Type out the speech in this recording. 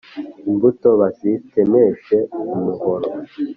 imbuto bazitemesha umuhoro,